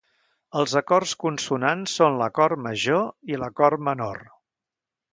Els acords consonants són l'acord major i l'acord menor.